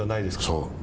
そう。